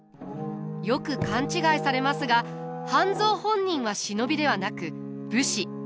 よく勘違いされますが半蔵本人は忍びではなく武士。